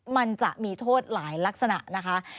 มันจะมีโทษหลายลักษณะนะคะ